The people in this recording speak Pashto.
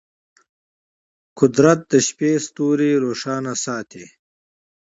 قدرت د شپې ستوري روښانه ساتي.